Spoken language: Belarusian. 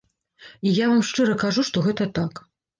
І я вам шчыра кажу, што гэта так.